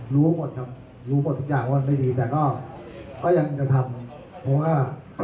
รู้หมดครับรู้หมดทุกอย่างว่ามันไม่ดีแต่ก็ยังจะทำเพราะว่า